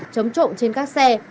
chống trộm trên các xe